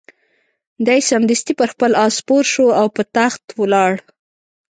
دی سمدستي پر خپل آس سپور شو او په تاخت ولاړ.